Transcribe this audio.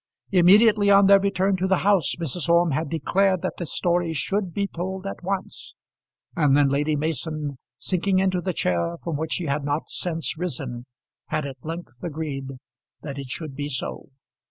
Immediately on their return to the house Mrs. Orme had declared that the story should be told at once; and then Lady Mason, sinking into the chair from which she had not since risen, had at length agreed that it should be so.